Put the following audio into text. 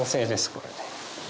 これで。